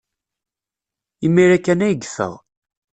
Imir-a kan ay yeffeɣ.